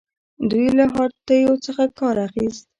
دوی له هاتیو څخه کار اخیست